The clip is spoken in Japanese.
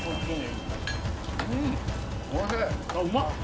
うまっ！